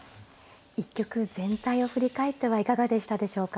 一局全体を振り返ってはいかがでしたでしょうか。